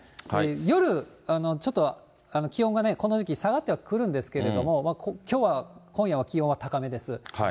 夜、ちょっと気温がね、この時期下がってはくるんですけど、きょうは、今夜は気温は高めです。